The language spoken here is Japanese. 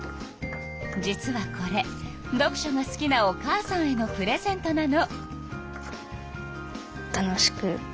実はこれ読書が好きなお母さんへのプレゼントなの。